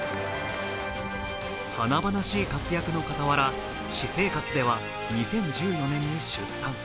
華々しい活躍の傍ら、私生活では２０１４年に出産。